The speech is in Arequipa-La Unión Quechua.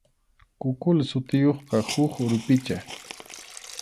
Kukuli sutiyuqqa huk urpicha.